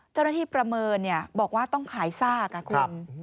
เจ้าหน้าที่ประเมินบอกว่าต้องขายซากอ่ะคุณ